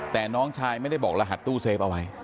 แต่น้องชายไม่ได้บอกรหัสตู้เซฟเอาไว้